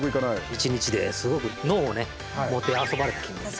１日で、すごく脳をもてあそばれた気持ちです。